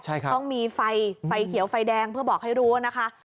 ใช่ครับต้องมีไฟไฟเขียวไฟแดงเพื่อบอกให้รู้นะคะ